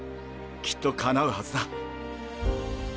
きっとかなうはずだ